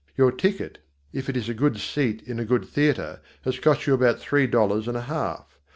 Your ticket, if it is a good seat in a good theatre, has cost you about three dollars and a half.